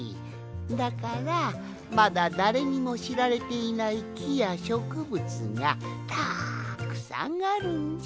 だからまだだれにもしられていないきやしょくぶつがたっくさんあるんじゃ。